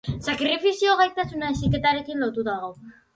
Sakrifizio gaitasuna heziketarekin lotuta dago.